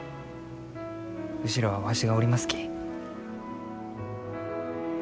後ろはわしがおりますき。